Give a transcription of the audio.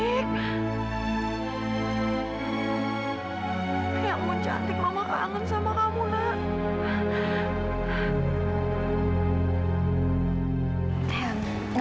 ayang mau cantik mama kangen sama kamu na